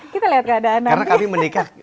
kita lihat keadaan anaknya